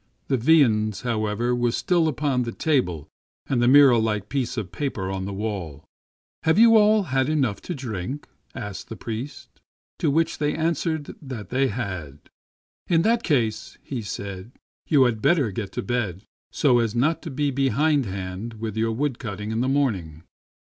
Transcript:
The viands, however, were still upon the table and the mirror like piece of paper on the wall. " Have you all had enough to drink?" asked the priest; to which they answered that they had. " In that case," said he, " you had better get to bed, so as not to be behindhand with your wood cutting in the morning."